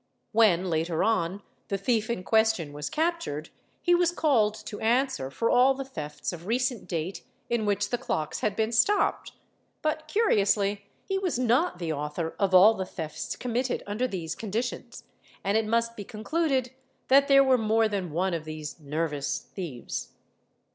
When later on the thief in question was captured, he was called to answer for all the thefts of recent date in which the clocks had been stopped, but, curiously, he was not the author in NRT IB RT AY V S C AE BOI of all the thefts committed under these conditions, and it must be con eS tL cl luded that there were more than one of these '"' nervous" thieves.